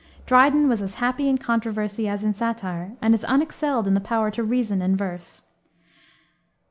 Dryden was as happy in controversy as in satire, and is unexcelled in the power to reason in verse.